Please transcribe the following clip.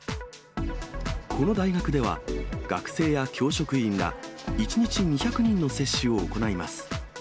この大学では、学生や教職員ら１日２００人の接種を行います。